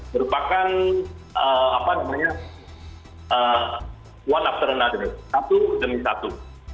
merupakan one after another satu demi satu